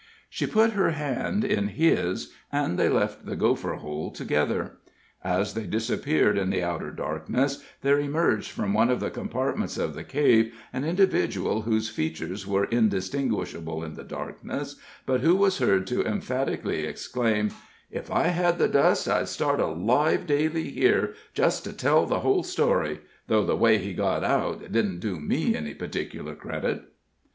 She put her hand in his, and they left the gopher hole together. As they disappeared in the outer darkness, there emerged from one of the compartments of the cave an individual whose features were indistinguishable in the darkness, but who was heard to emphatically exclaim: "If I had the dust, I'd start a live daily here, just to tell the whole story; though the way he got out didn't do me any particular credit."